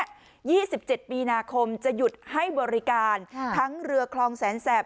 ยี่สิบเจ็ดมีนาคมจะหยุดให้บริการค่ะทั้งเรือคลองแสนแสบ